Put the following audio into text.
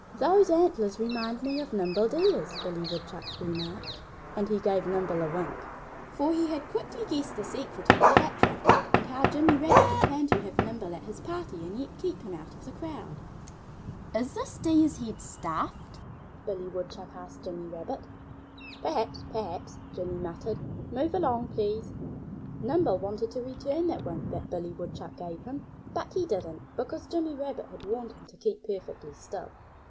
"Those antlers remind me of Nimble Deer's," Billy Woodchuck remarked. And he gave Nimble a wink, for he had quickly guessed the secret of the hat rack and how Jimmy Rabbit had planned to have Nimble at his party and yet keep him out of the crowd. "Is this Deer's head stuffed?" Billy Woodchuck asked Jimmy Rabbit. "Perhaps! Perhaps!" Jimmy muttered. "Move along, please!" Nimble wanted to return that wink that Billy Woodchuck gave him. But he didn't, because Jimmy Rabbit had warned him to keep perfectly still.